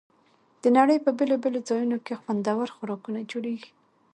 د نړۍ په بېلابېلو ځایونو کې خوندور خوراکونه جوړېږي.